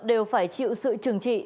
đều phải chịu sự trừng trị